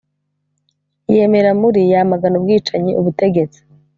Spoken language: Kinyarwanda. yegura muri yamagana ubwicanyi ubutegetsi